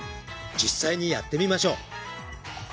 実際にやってみましょう。